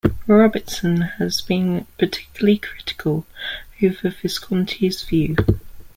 Robertson has been particularly critical over Visconti's view.